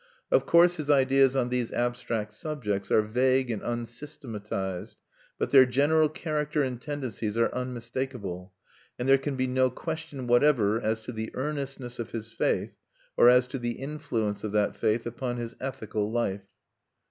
Of course his ideas on these abstract subjects are vague and unsystematized; but their general character and tendencies are unmistakable; and there can be no question whatever as to the earnestness of his faith, or as to the influence of that faith upon his ethical life.